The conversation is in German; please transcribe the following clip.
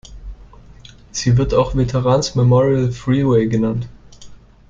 Sie wird auch Veterans Memorial Freeway genannt.